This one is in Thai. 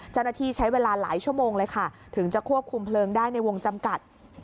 เจ้าหน้าที่ใช้เวลาหลายชั่วโมงเลยค่ะถึงจะควบคุมเพลิงได้ในวงจำกัด